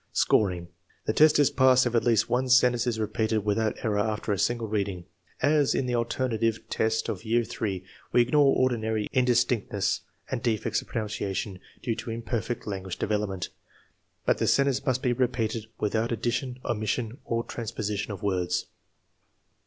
Scoring. The test is passed if at least one sentence is repeated without error after a single reading. As in the alternative test of year III, we ignore ordinary indistinct ness and defects of pronunciation due to imperfect language development, but the sentence must be repeated without addition, omission, or transposition of words.